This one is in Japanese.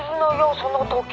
その時計。